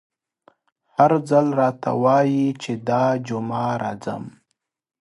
هر ځل راته وايي چې دا جمعه راځم….